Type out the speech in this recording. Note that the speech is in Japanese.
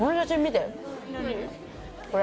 これ。